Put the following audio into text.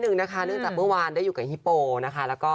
หนึ่งนะคะเนื่องจากเมื่อวานได้อยู่กับฮิโปรนะคะแล้วก็